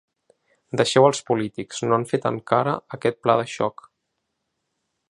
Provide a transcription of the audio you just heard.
Deixeu els polítics, no han fet encara aquest pla de xoc.